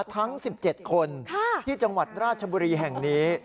ทั้ง๑๗คนที่จังหวัดราชบุรีแห่งนี้